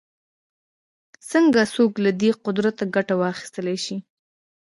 څنګه څوک له دې قدرته ګټه واخیستلای شي